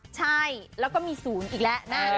ใช่แล้วก็มี๐อีกแล้วนะ